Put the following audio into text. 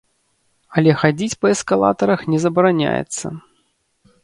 Але хадзіць па эскалатарах не забараняецца.